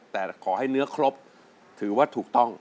แต่ขอให้เนื้อครบถือว่าถูกต้อง